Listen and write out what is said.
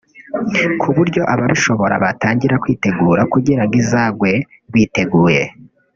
ku buryo ababishobora batangira kwitegura kugirango izagwe biteguye